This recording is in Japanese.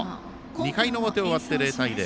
２回の表、終わって０対０。